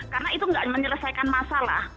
karena itu tidak menyelesaikan masalah